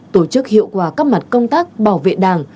tổ chức hiệu quả các mặt công tác bảo vệ đảng